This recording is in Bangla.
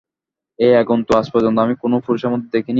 এ আগুন তো আজ পর্যন্ত আমি কোনো পুরুষের মধ্যে দেখি নি।